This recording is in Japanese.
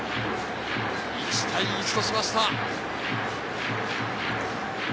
１対１としました。